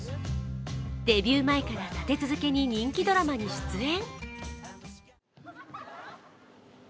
デビュー前から立て続けに人気ドラマに出演。